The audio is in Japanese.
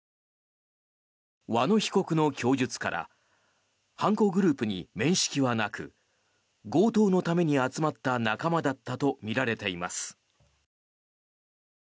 和野被告の供述から犯行グループに面識はなく強盗のために集まった仲間だったとみられています。